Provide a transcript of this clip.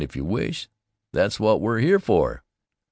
if you wish. That's what we're here for."